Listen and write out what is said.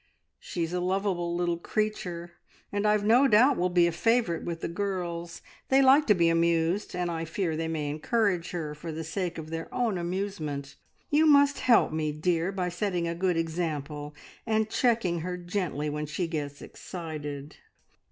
She's a lovable little creature, and I've no doubt will be a favourite with the girls. They like to be amused, and I fear they may encourage her for the sake of their own amusement. You must help me, dear, by setting a good example and checking her gently when she gets excited."